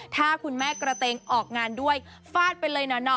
ถ้าคุณแม่กระเตงออกงานด้วยฟาดไปเลยหน่อ